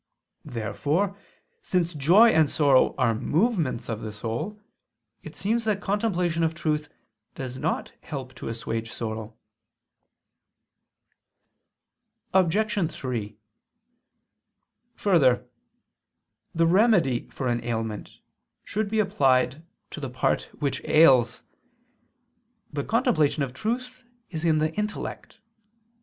Therefore, since joy and sorrow are movements of the soul, it seems that the contemplation of truth does not help to assuage sorrow. Obj. 3: Further, the remedy for an ailment should be applied to the part which ails. But contemplation of truth is in the intellect.